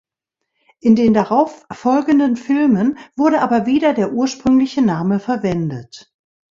In den darauf folgenden Filmen wurde aber wieder der ursprüngliche Name verwendet.